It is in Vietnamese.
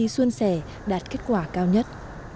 kỳ thi xuân xẻ đạt kết quả cao nhất